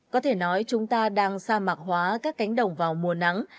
có thể nói chúng ta đang sa mạc hóa các cánh đồng vào mùa nắng